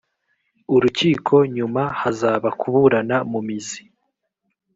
urukiko nyuma hazaba kuburana mu mizi